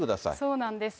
そうなんです。